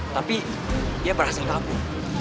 tapi dia berhasil kabur